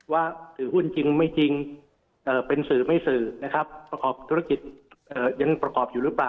ว่าถือหุ้นจริงไม่จริงเป็นสื่อไม่สื่อนะครับประกอบธุรกิจยังประกอบอยู่หรือเปล่า